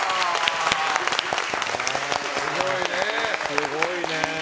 すごいね。